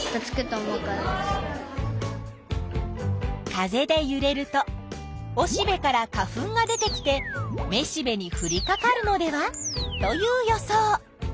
風でゆれるとおしべから花粉が出てきてめしべにふりかかるのではという予想。